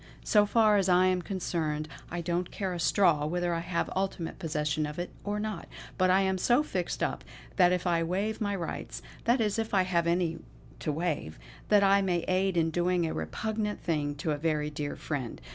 So far as I am concerned, I don't care a straw whether I have ultimate possession of it or not; but I am so fixed up that if I waive my rights that is if I have any to waive that I may aid in doing a repugnant thing to a very dear friend.